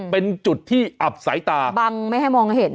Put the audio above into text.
เป็นจุดที่อับสายตาบังไม่ให้มองเห็น